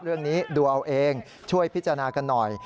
เรื่องนี้ดูเอาเองช่วยพิจารณากันหน่อย